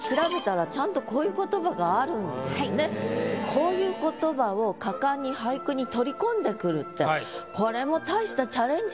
こういう言葉を果敢に俳句に取り込んでくるってこれも。